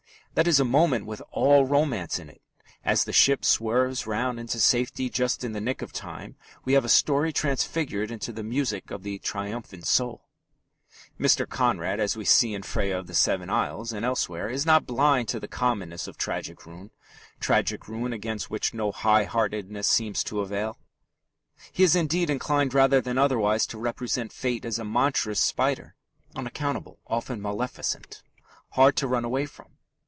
That is a moment with all romance in it. As the ship swerves round into safety just in the nick of time, we have a story transfigured into the music of the triumphant soul. Mr. Conrad, as we see in Freya of the Seven Isles and elsewhere, is not blind to the commonness of tragic ruin tragic ruin against which no high heartedness seems to avail. He is, indeed, inclined rather than otherwise to represent fate as a monstrous spider, unaccountable, often maleficent, hard to run away from.